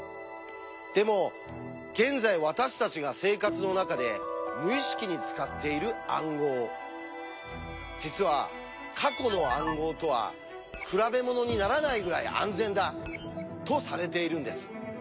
でも現在私たちが生活の中で無意識に使っている暗号実は過去の暗号とは比べ物にならないぐらい安全だ！とされているんです。